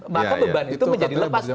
maka beban itu menjadi lepas